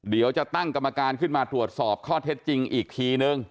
เดี๋ยวจะตั้งกรรมการขึ้นมาตรวจสอบข้อเท็จจริงอีกทีนึง